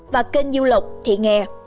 và kênh du lộc thị nghè